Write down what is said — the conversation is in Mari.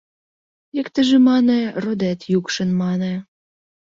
Иктыже мане «родет йӱкшен», мане